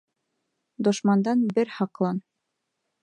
Дошмандан бер һаҡлан